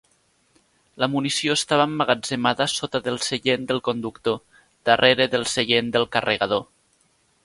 La munició estava emmagatzemada sota del seient del conductor, darrere del seient del carregador.